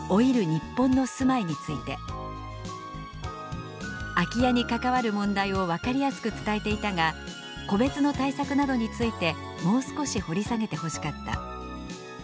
日本の“住まい”」について「空き家に関わる問題を分かりやすく伝えていたが個別の対策などについてもう少し掘り下げてほしかった」